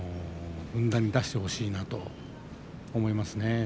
ふんだんに出してほしいなと思いますね。